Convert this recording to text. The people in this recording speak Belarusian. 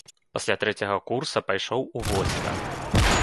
Пасля трэцяга курса пайшоў у войска.